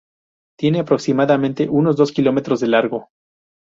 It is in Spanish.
Tiene aproximadamente unos dos kilómetros de largo.